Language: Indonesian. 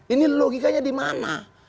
ini logikanya dimana